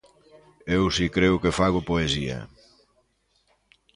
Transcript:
Eu si creo que fago poesía.